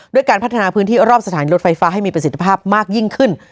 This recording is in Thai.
การพัฒนาพื้นที่รอบสถานีรถไฟฟ้าให้มีประสิทธิภาพมากยิ่งขึ้น